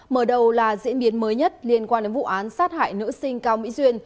mở đầu là diễn biến mới nhất liên quan đến vụ án sát hại nữ sinh cao mỹ duyên